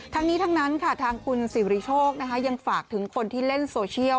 ทั้งนี้ทั้งนั้นค่ะทางคุณสิริโชคยังฝากถึงคนที่เล่นโซเชียล